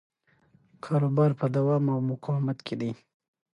کاروبار په دوام او مقاومت کې دی.